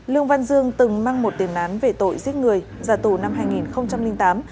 lương văn dương từng mang một tiền nán về tội giết người giả tù năm hai nghìn tám